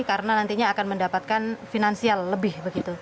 karena nantinya akan mendapatkan finansial lebih begitu